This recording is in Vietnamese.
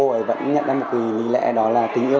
tái hiện lại những kỹ thuật tinh tế